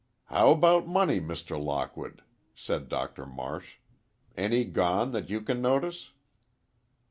"How about money, Mr. Lockwood?" said Doctor Marsh. "Any gone, that you can notice?"